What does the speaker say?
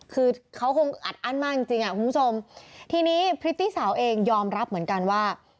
คือเขาคงอัดอั้นมากจริงจริงอ่ะคุณผู้ชมทีนี้พริตตี้สาวเองยอมรับเหมือนกันว่า